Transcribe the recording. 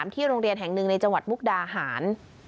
ที่โรงเรียนแห่งหนึ่งในจังหวัดมุกดาหาร